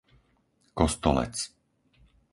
Kostolec